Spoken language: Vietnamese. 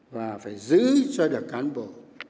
và phải giữ cho được cán bộ